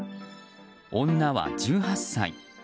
女は１８歳。